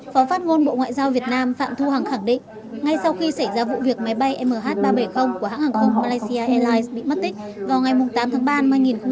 phó phát ngôn bộ ngoại giao việt nam phạm thu hằng khẳng định ngay sau khi xảy ra vụ việc máy bay mh ba trăm bảy mươi của hãng hàng không malaysia airlines bị mất tích vào ngày tám tháng ba năm hai nghìn hai mươi